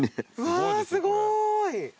わあすごい！